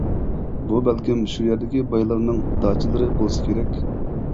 بۇ بەلكىم شۇ يەردىكى بايلارنىڭ داچىلىرى بولسا كېرەك.